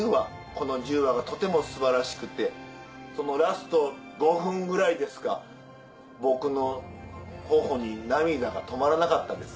この１０話がとても素晴らしくてそのラスト５分ぐらいですか僕の頬に涙が止まらなかったです。